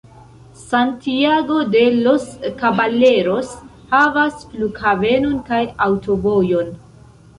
Santiago de los Caballeros havas flughavenon kaj aŭtovojon.